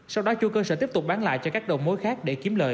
sau đó chủ cơ sở tiếp tục bán lại cho các đồng mối khác để kiếm lời